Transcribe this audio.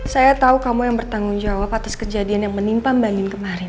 saya tahu kamu yang bertanggung jawab atas kejadian yang menimpa mbak nin kemarin